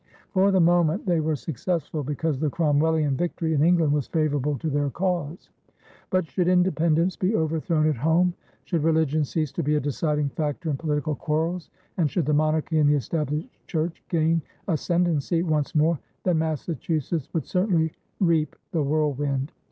For the moment they were successful, because the Cromwellian victory in England was favorable to their cause. But should independence be overthrown at home, should religion cease to be a deciding factor in political quarrels, and should the monarchy and the Established Church gain ascendency once more, then Massachusetts would certainly reap the whirlwind.